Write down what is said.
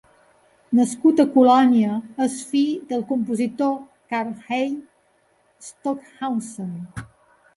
Nascut a Colònia, és fill del compositor Karlheinz Stockhausen.